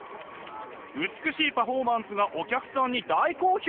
美しいパフォーマンスがお客さんに大好評！